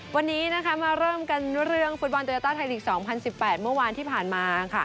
วันนี้มาเริ่มกันเรื่องฟุตบอลโยต้าไทยลีก๒๐๑๘เมื่อวานที่ผ่านมา